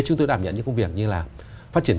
chúng tôi đảm nhận những công việc như là phát triển